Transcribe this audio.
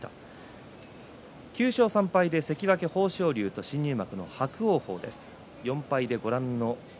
９勝３敗で関脇豊昇龍と新入幕の伯桜鵬です。